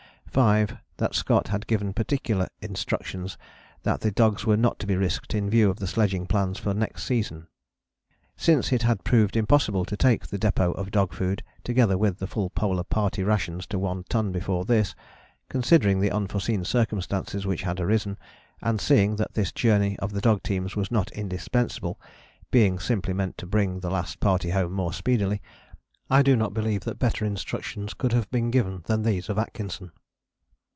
5. That Scott had given particular instructions that the dogs were not to be risked in view of the sledging plans for next season. Since it had proved impossible to take the depôt of dog food, together with the full Polar Party rations, to One Ton before this; considering the unforeseen circumstances which had arisen; and seeing that this journey of the dog teams was not indispensable, being simply meant to bring the last party home more speedily, I do not believe that better instructions could have been given than these of Atkinson.